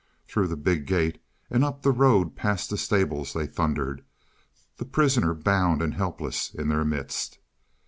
Through the big gate and up the road past the stables they thundered, the prisoner bound and helpless in their midst.